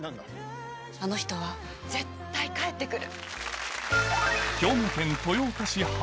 あの人は絶対帰って来る。